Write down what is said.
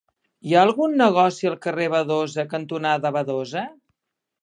Hi ha algun negoci al carrer Badosa cantonada Badosa?